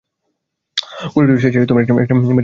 করিডোরের শেষে একটা মেডিকেল সাপ্লাই রুম আছে।